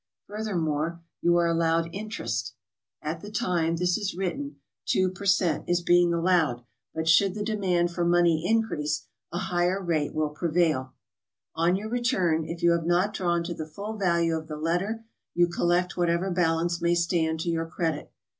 Furthermore, you are allowed interest; at the time this is written two per GOING ABROAD? 1 86 cent, is being allowed, but should the demand for money increase, a higher rate will prevail. On your return, if you have not drawn to the full value of the letter, you collect whatever balance may stand to your credit.